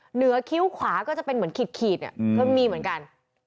เหนือคิ้วขวาก็จะเป็นเหมือนขีดมีเหมือนกัน